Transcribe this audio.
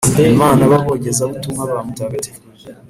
Imana b Abogezabutumwa ba Mutagatifu